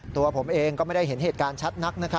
ตัวผมเองก็ไม่ได้เห็นเหตุการณ์ชัดนัก